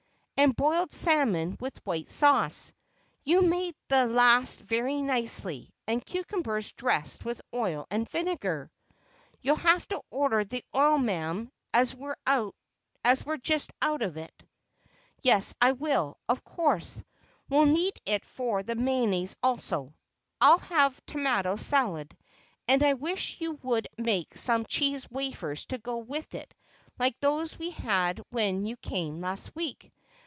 "And boiled salmon with white sauce—you made the last very nicely; and cucumbers dressed with oil and vinegar—" "You'll have to order the oil, ma'am, as we're just out of it." "Yes, I will; of course, we'll need it for the mayonnaise also. I'll have tomato salad, and I wish you would make some cheese wafers to go with it like those we had when you came last week.